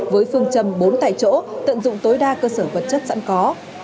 với phương châm bốn tại chỗ tận dụng tối đa cơ sở vật chất sẵn có